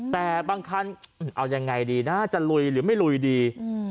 แต่บางคันเอายังไงดีนะจะลุยหรือไม่ลุยดี